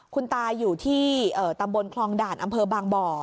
คุณตาอยู่ที่ตำบลคลองด่านอำเภอบางบ่อ